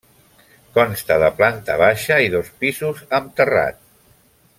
Consta de planta baixa i dos pisos amb terrat.